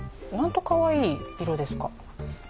なんとかわいい色ですか！